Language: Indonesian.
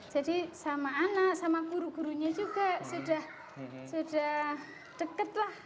jadi sama anak sama guru gurunya juga sudah dekatlah